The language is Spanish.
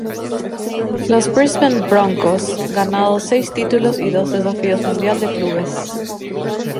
Los Brisbane Broncos ganado seis títulos y dos Desafíos Mundial de Clubes.